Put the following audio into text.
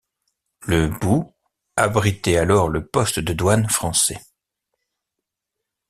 Le boug abritait alors le poste de douane français.